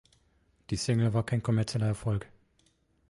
Die Single war kein kommerzieller Erfolg.